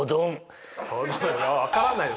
分からないよ